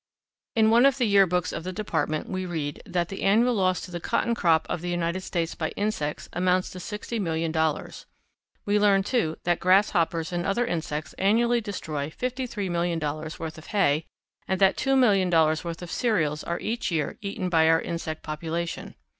In one of the Year Books of the Department we read that the annual loss to the cotton crop of the United States by insects amounts to sixty million dollars. We learn, too, that grasshoppers and other insects annually destroy fifty three million dollars' worth of hay and that two million dollars' worth of cereals are each year eaten by our insect population.